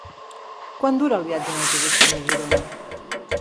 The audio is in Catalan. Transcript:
Quant dura el viatge en autobús fins a Girona?